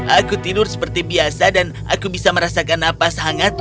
aku tidur seperti biasa dan aku bisa merasakan nafas hangat